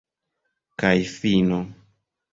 Kaj fino.